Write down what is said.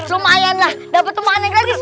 lumayan lah dapet temuan yang gratis